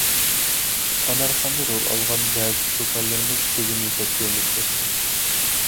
«ئانارخان»دا رول ئالغان بەزى چوكانلىرىمىز كۆزۈمگە سەت كۆرۈنۈپ كەتتى.